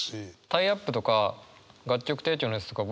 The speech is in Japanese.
タイアップとか楽曲提供のやつとか